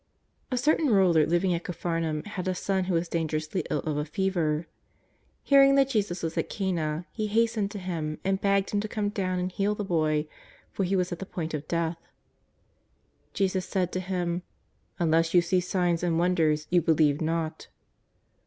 A certain ruler living at Capharnaum had a son who was dangerously ill of a fever. Hearing that Jesus was at Cana, he hastened to Him and begged Him to come down and heal the boy, for he was at the point of death. Jesus said to him :" Unless you see signs and won ders you believe not.'